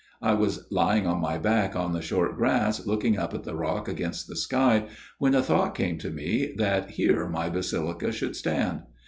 " I was lying on my back on the short grass, looking up at the rock against the sky, when the thought came to me that here my basilica should stand.